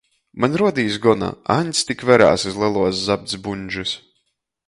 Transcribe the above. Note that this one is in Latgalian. Maņ ruodīs gona, a Aņds tik verās iz leluos zapts buņdžys.